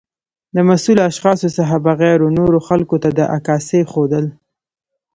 د مسؤلو اشخاصو څخه بغیر و نورو خلګو ته د عکاسۍ ښودل